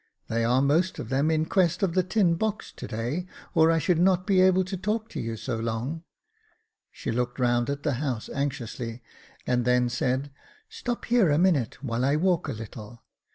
They are most of them in quest of the tin box to day, or I should not be able to talk to you so long." She looked round at the house anxiously, and then said, "Stop here a minute, while I walk a little."